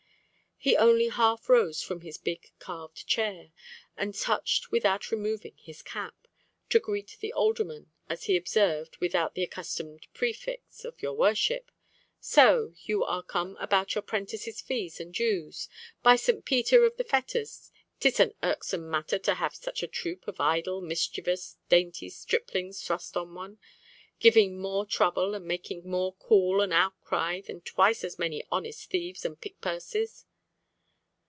He only half rose from his big carved chair, and touched without removing his cap, to greet the alderman, as he observed, without the accustomed prefix of your worship—"So, you are come about your prentice's fees and dues. By St. Peter of the Fetters, 'tis an irksome matter to have such a troop of idle, mischievous, dainty striplings thrust on one, giving more trouble, and making more call and outcry than twice as many honest thieves and pickpurses."